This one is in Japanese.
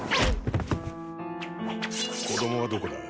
子供はどこだ？